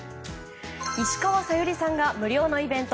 石川さゆりさんが無料のイベント